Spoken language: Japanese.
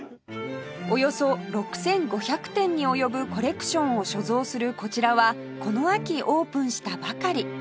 およそ６５００点に及ぶコレクションを所蔵するこちらはこの秋オープンしたばかり